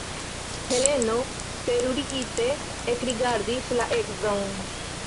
Heleno terurigite ekrigardis la edzon.